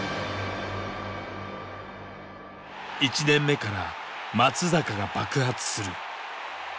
１年目から松坂が爆発する！